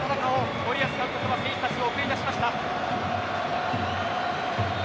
森保監督は選手たちを送り出しました。